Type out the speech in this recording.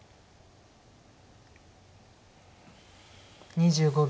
２５秒。